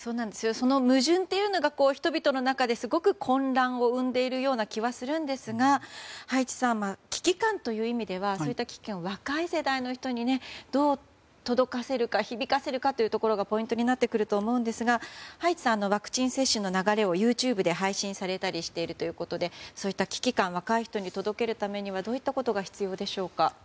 その矛盾というのが人々の中ですごく混乱を生んでいるような気がするんですが葉一さん、危機感という意味ではそういった危機感を若い世代の人にどう届かせるか、響かせるかがポイントになってくると思うんですが葉一さんはワクチン接種の流れをＹｏｕＴｕｂｅで配信されたりしているということでそういった危機感を若い人に届けるためにはどういったことが必要でしょうか。